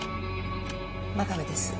真壁です。